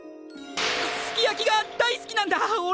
すき焼きが大好きなんだおれ！